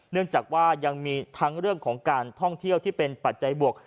เนื่องจากว่ายังมีทั้งเรื่องของการท่องเที่ยวที่เป็นปัจจัยบวก